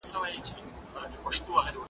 له کوم خیرات څخه به لوږه د چړي سړوو .